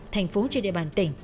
thành phố trên địa bàn tỉnh